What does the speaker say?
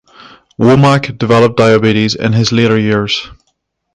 Womack developed diabetes in his later years.